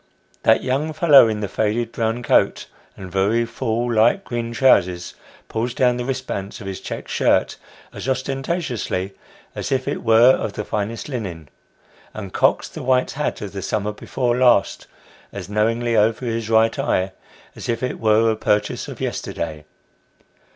That young fellow in the faded brown coat, and very full light green trousers, pulls down the wrist bands of his check shirt, as ostentatiously as if it were of the finest linen, and cocks the white hat of the summer before last as knowingly over his right eye, as if it were a purchase of yesterday.